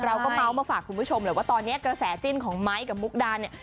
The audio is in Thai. เราก็เมาส์มาฝากคุณผู้ชมแหละว่าตอนนี้กระแสจิ้นของไม้กับมุกดาเนี่ย